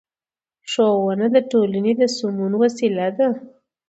ښوونه د ټولنې د سمون وسیله ده